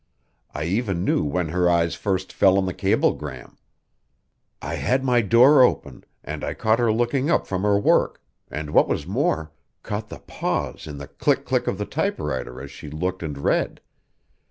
I even knew when her eyes first fell on the cablegram. I had my door open, and I caught her looking up from her work, and what was more, caught the pause in the click click of the typewriter as she looked and read.